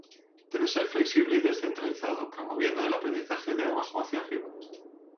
Debe ser flexible y descentralizado promoviendo el aprendizaje de abajo hacia arriba.